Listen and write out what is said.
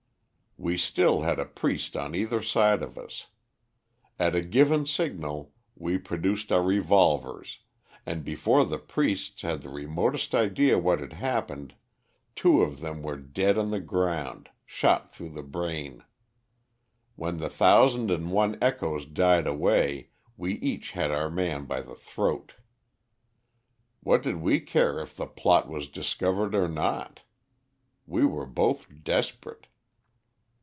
"We still had a priest on either side of us. At a given signal we produced our revolvers, and before the priests had the remotest idea what had happened two of them were dead on the ground, shot through the brain. When the thousand and one echoes died away we each had our man by the throat. What did we care if the plot was discovered or not! We were both desperate.